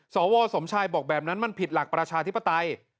สวสมชายบอกแบบนั้นมันผิดหลักประชาธิปไตย